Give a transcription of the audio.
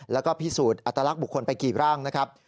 แล้วก็พิสูจน์อัตลักษณ์บุคคลไปกี่ร่างนะครับ